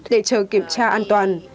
để chờ kiểm tra an toàn